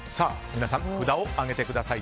皆さん札を上げてください。